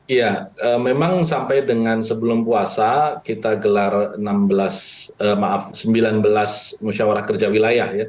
iya memang sampai dengan sebelum puasa kita gelar sembilan belas musyawarah kerja wilayah